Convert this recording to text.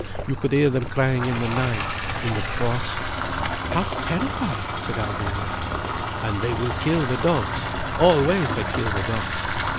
You could hear them crying in the night, in the frost—" "How terrifying—!" said Alvina. "And they will kill the dogs! Always they kill the dogs.